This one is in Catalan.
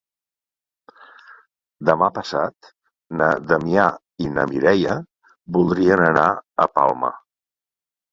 Demà passat na Damià i na Mireia voldrien anar a Palma.